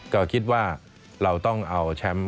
ก็คิดว่าเราต้องเอาแชมป์